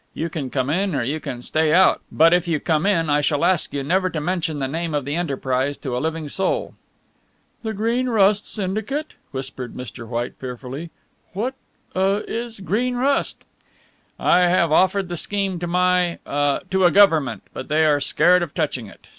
You can come in or you can stay out, but if you come in I shall ask you never to mention the name of the enterprise to a living soul." "The Green Rust Syndicate?" whispered Mr. White fearfully. "What ah is Green Rust?" "I have offered the scheme to my to a Government. But they are scared of touching it.